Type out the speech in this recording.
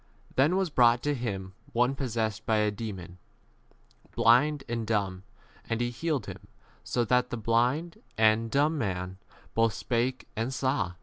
Then was brought to him one possessed by a demon, blind and dumb, and he healed him, so that the [blind and] n dumb [man] both spake and saw.